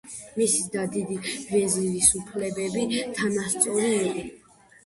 მისი და დიდი ვეზირის უფლებები თანასწორი იყო.